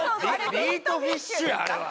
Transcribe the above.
ビートフィッシュやあれは。